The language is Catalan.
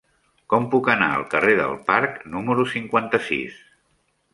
Com puc anar al carrer del Parc número cinquanta-sis?